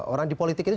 orang di politik itu